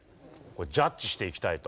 ジャッジしていきたいと。